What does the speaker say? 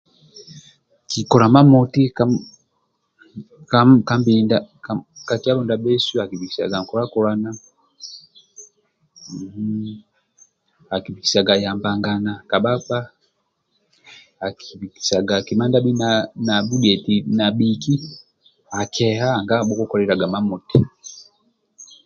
Kikola mamoti ka ja ka mbili ndiasbheu ka kyalo ndiabhesu akibikisaga nkula kulana hhuhee akibisaga yambagana ka bhakpa akibikisaga kima ndiabho nabhiki akeha nanga bhukuloliliaga mamotu